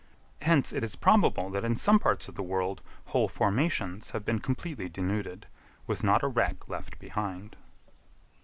Hence, it is probable that in some parts of the world whole formations have been completely denuded, with not a wreck left behind.